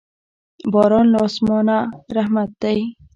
باران له اسمانه رحمت دی.